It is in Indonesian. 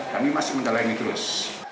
kami masih menjalani terus